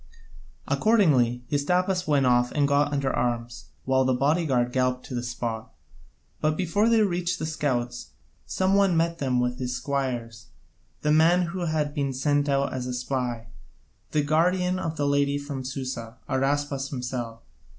Accordingly Hystaspas went off and got under arms, while the bodyguard galloped to the spot. But before they reached the scouts, some one met them with his squires, the man who had been sent out as a spy, the guardian of the lady from Susa, Araspas himself.